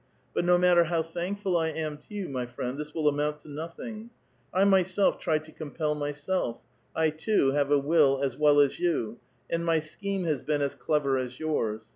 But no matter how Y ^nkful I am to 3'ou, my friend, this will amount to nothing. ^*^yself tried to compel myself ; I too have a will as well ,^^ i'ou, and m}' scheme has been as clever as yours.